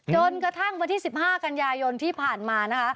จนกระทั่งวันที่๑๕กันยายนที่ผ่านมานะคะ